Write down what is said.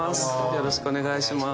よろしくお願いします。